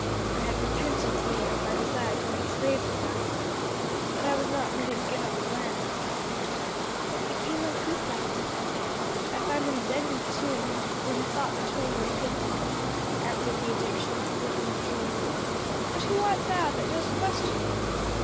I had repented me of my desire to make slaves of them, but I was not ready to give up the land." "What became of Besa?" "I found him dead in the tomb where he thought the twain were hidden," answered the Egyptian as if in a dream. "But who art thou that dost question me?"